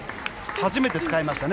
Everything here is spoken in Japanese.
初めて使いましたね。